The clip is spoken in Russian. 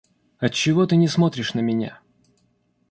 Отчего ты не смотришь на меня?